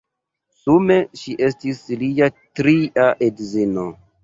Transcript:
Sume ŝi estis lia tria edzino.